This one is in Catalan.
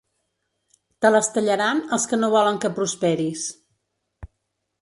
Te les tallaran els que no volen que prosperis.